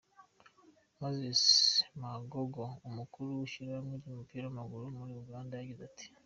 Moses Magogo, umukuru w'ishyirahamwe ry'umupira w'amaguru muri Uganda, yagize ati:.